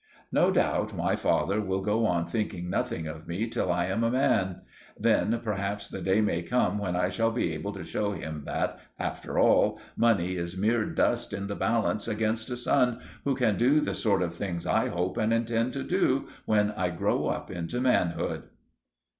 No doubt my father will go on thinking nothing of me till I am a man. Then, perhaps, the day may come when I shall be able to show him that, after all, money is mere dust in the balance against a son, who can do the sort of things I hope and intend to do, when I grow up into manhood.